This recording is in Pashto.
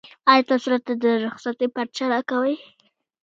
ایا تاسو راته د رخصتۍ پارچه راکوئ؟